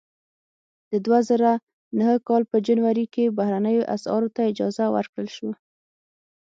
د دوه زره نهه کال په جنوري کې بهرنیو اسعارو ته اجازه ورکړل شوه.